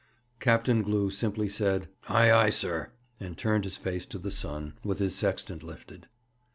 Captain Glew simply said, 'Ay, ay, sir,' and turned his face to the sun, with his sextant lifted.